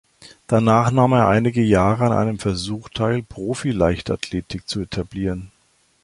Danach nahm er einige Jahre an einem Versuch teil, Profi-Leichtathletik zu etablieren.